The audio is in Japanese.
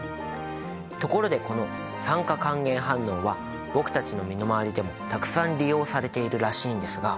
ところでこの酸化還元反応は僕たちの身の回りでもたくさん利用されているらしいんですが。